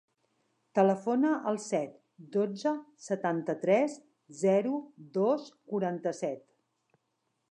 Telefona al set, dotze, setanta-tres, zero, dos, quaranta-set.